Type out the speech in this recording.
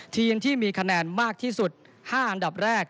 ทีมที่มีคะแนนมากที่สุด๕อันดับแรก